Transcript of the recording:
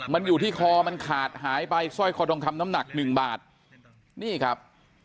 มันอยู่ที่คอมันขาดหายไปสร้อยคอทองคำน้ำหนักหนึ่งบาทนี่ครับ